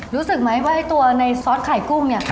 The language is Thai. รู้สึกครับไว้ใต้ตัวในซอสข่ายกุ้ม